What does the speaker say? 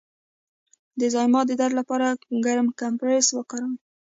د زایمان د درد لپاره ګرم کمپرس وکاروئ